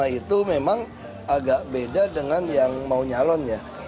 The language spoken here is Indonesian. itu memang agak beda dengan yang mau nyalonnya